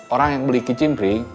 orang yang beli kicing pring